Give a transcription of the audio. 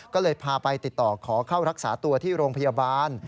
ก็เลยพาไปติดต่อขอเข้ารักษาตัวที่โรงพยาบาล